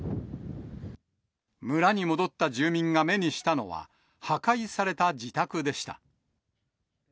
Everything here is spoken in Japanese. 村に戻った住民が目にしたのは、破壊された自宅でした。